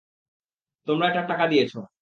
তোমরা এটার টাকা দিয়েছো।